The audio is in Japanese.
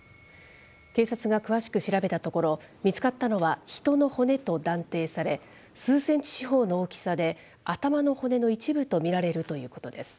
警察が詳しく調べたところ、見つかったのは、人の骨と断定され、数センチ四方の大きさで、頭の骨の一部と見られるということです。